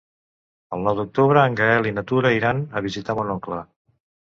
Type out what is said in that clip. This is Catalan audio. El nou d'octubre en Gaël i na Tura iran a visitar mon oncle.